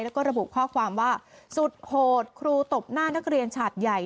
แล้วก็ระบุข้อความว่าสุดโหดครูตบหน้านักเรียนฉาดใหญ่